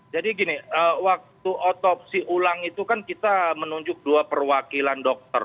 jadi gini waktu otopsi ulang itu kan kita menunjuk dua perwakilan dokter